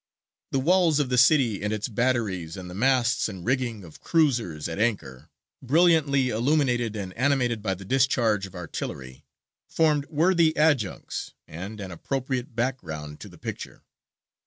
The walls of the city and its batteries, and the masts and rigging of cruisers at anchor, brilliantly illuminated and animated by the discharge of artillery, formed worthy adjuncts and an appropriate background to the picture.